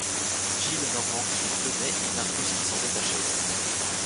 Gillenormand qui y tenait et Marius qui s'en détachait.